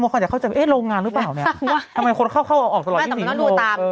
บางทีเผ็ดเยอะหรืออย่างไรก็ตาม